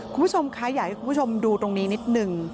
คุณผู้ชมคะอยากให้คุณผู้ชมดูตรงนี้นิดนึง